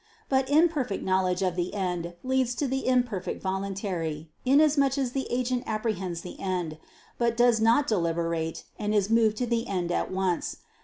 But imperfect knowledge of the end leads to the imperfect voluntary; inasmuch as the agent apprehends the end, but does not deliberate, and is moved to the end at once.